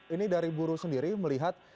ini dari buruh sendiri melihat